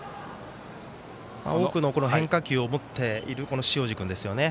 多くの変化球を持っている塩路君ですよね。